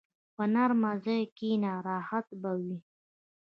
په نرمه ځای کښېنه، راحت به وي.